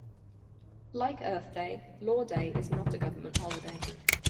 Like Earth Day, Law Day is not a government holiday.